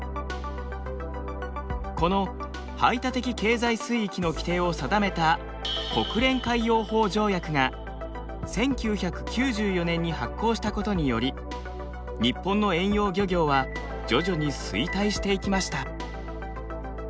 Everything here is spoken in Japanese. この排他的経済水域の規定を定めた国連海洋法条約が１９９４年に発効したことにより日本の遠洋漁業は徐々に衰退していきました。